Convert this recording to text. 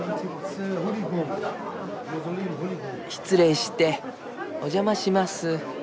失礼してお邪魔します。